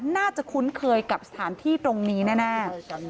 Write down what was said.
คุ้นเคยกับสถานที่ตรงนี้แน่